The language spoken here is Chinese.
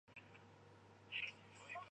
勇拂站日高本线的铁路车站。